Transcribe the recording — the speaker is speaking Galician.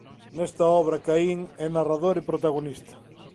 Nesta obra Caín é narrador e protagonista.